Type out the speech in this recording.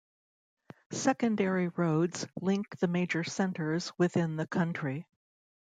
Secondary roads link the major centers within the country.